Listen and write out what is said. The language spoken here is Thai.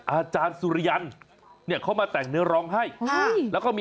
อาจารย์สุริยันต์ฝาคฝี